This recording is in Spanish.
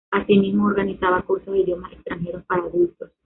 Asimismo, organizaba cursos de idiomas extranjeros para adultos.